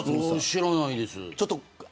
知らないです。